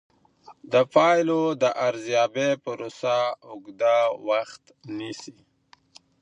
د پایلو د ارزیابۍ پروسه اوږده وخت نیسي.